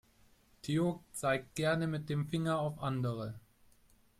Theo zeigt gerne mit dem Finger auf andere.